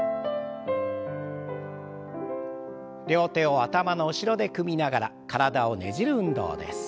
両手を頭の後ろで組みながら体をねじる運動です。